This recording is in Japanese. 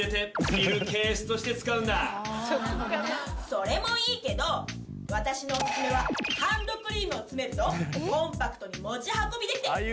それもいいけど私のおすすめはハンドクリームを詰めるとコンパクトに持ち運びできて便利だよ！